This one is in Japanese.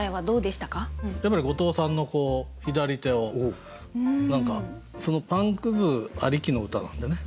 やっぱり後藤さんのこう左手を何かそのパンくずありきの歌なんでね。